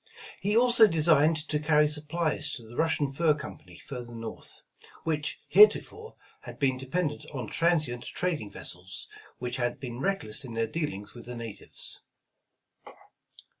He also designed to carry supplies to the Russian Fur Company further North, which heretofore, had been dependent on transient trading vessels, which had been reckless in their dealings with the natives.